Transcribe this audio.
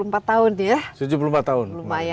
lumayan ya sudah cukup lama sudah dewasa